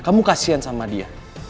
kamu kasian sama dia